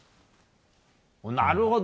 なるほど！